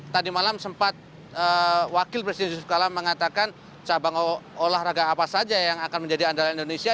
tadi malam sempat wakil presiden yusuf kala mengatakan cabang olahraga apa saja yang akan menjadi andalan indonesia